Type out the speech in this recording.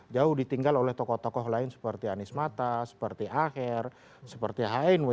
jauh ditinggal oleh tokoh tokoh lain seperti anies mata seperti aher seperti hnw